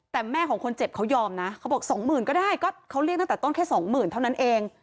แต่แม่ของคนเจ็บเขายอมนะเขาบอกสองหมื่นก็ได้ก็เขาเรียกตั้งแต่ต้นแค่สองหมื่นเท่านั้นเอง